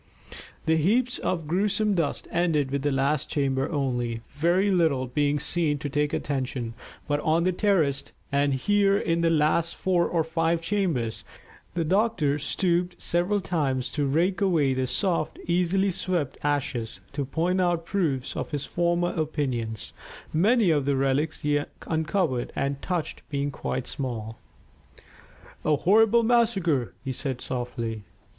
The heaps of gruesome dust ended with the last chamber only, very little being seen to take attention; but on the terrace, and here in the last four or five chambers, the doctor stooped several times to rake away the soft, easily swept ashes, to point out proofs of his former opinions, many of the relics he uncovered and touched being quite small. "A horrible massacre," he said softly.